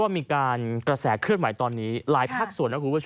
มีกระแสเคลื่อนไหวตอนนี้หลายทักส่วน